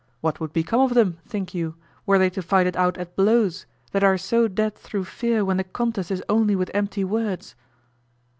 What would become of them, think you, were they to fight it out at blows that are so dead through fear when the contest is only with empty words?